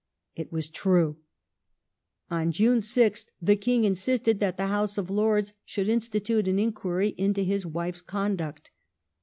^ It was true. On June 6th the King in sisted that the House of Lords should institute an inquiry into his wife's conduct.